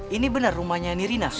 ini bener rumahnya nirina